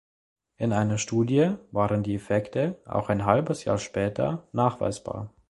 In einer Studie waren die Effekte auch ein halbes Jahr später nachweisbar.